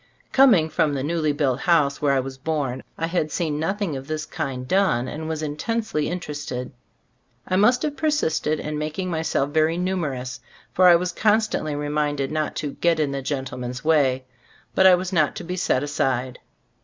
Coming from the newly built house Gbe Storg of A^ flbU&boofc 51 where I was born, I had seen nothing of this kind done, and was intensely interested. I must have persisted in making myself very numerous, for I was constantly reminded not to "get in the gentleman's way." But I was not to be set aside.